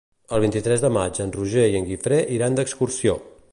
El vint-i-tres de maig en Roger i en Guifré iran d'excursió.